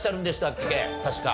確か。